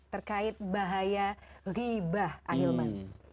terkait bahaya ribah ahilman